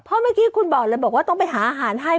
เพราะเมื่อกี้คุณบอกเลยบอกว่าต้องไปหาอาหารให้